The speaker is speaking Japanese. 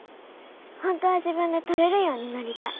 本当は自分で取れるようになりたい。